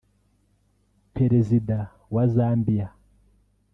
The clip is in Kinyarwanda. Perezida wa Zambia